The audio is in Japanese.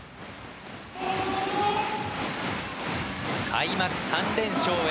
開幕３連勝へ。